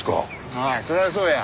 ああそりゃそうや。